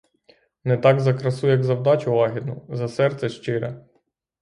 Не так за красу, як за вдачу лагідну, за серце щире.